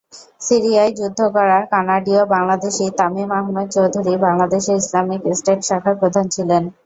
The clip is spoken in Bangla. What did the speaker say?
সিরিয়ায় যুদ্ধ করা কানাডীয় বাংলাদেশী তামিম আহমেদ চৌধুরী বাংলাদেশে ইসলামিক স্টেট শাখার প্রধান ছিলেন।